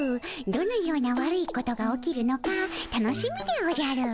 どのような悪いことが起きるのか楽しみでおじゃる。